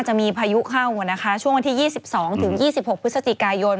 จะมีพายุเข้าช่วงวันที่๒๒๒๖พฤศจิกายน